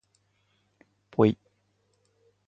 ぽい